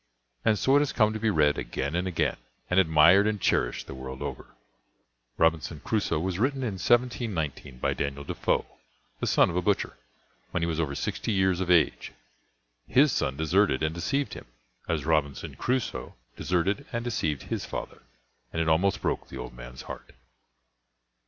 And so it has come to be read again and again, and admired and cherished the world over. Robinson Crusoe was written in 1719 by Daniel Defoe, the son of a butcher, when he was over sixty years of age. His son deserted and deceived him, as Robinson Crusoe deserted and deceived his father, and it almost broke the old man's heart.